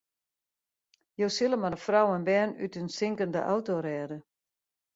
Jo sille mar in frou en bern út in sinkende auto rêde.